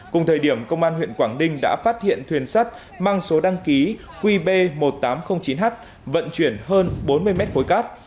cùng thời điểm công an huyện quảng ninh đã phát hiện thuyền sắt mang số đăng ký qb một nghìn tám trăm linh chín h vận chuyển hơn bốn mươi mét khối cát